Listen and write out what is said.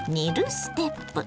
ステップ。